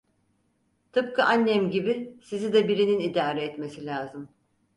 Tıpkı annem gibi sizi de birinin idare etmesi lazım.